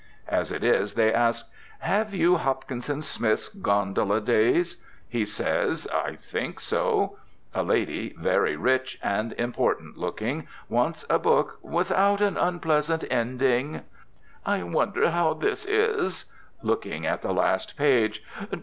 As it is, they ask, "Have you Hopkinson Smith's 'Gondola Days'?" He says, "I think so." A lady, very rich and important looking, wants a book "without an unpleasant ending." "I wonder how this is" (looking at the last page).